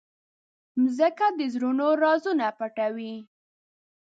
مځکه د زړونو رازونه پټوي.